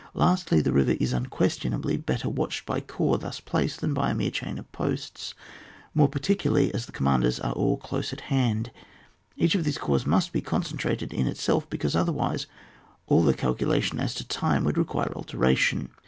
Lastly, the river is unquestion ably better watched by corps thus placed than by a mere chain of posts, more particularly as the commanders are all close at hand. — Each of these corps must be concentrated in itself, because other wise all the calculation as to time would require alteration.